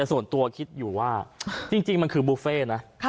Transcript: แต่ส่วนตัวคิดอยู่ว่าจริงมันคือบุฟเฟ่นะ